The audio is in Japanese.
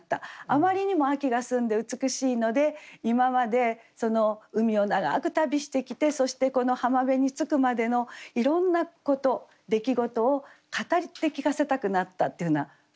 あまりにも秋が澄んで美しいので今まで海を長く旅してきてそしてこの浜辺に着くまでのいろんなこと出来事を語って聞かせたくなったっていうふうな句になると思うんですね。